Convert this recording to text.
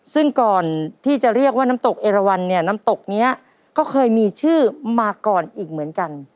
ซึ่งก่อนที่จะเรียกว่าน้ำตกเอราวันเนี่ยน้ำตกนี้ก็เคยมีชื่อมาก่อนอีกเหมือนกัน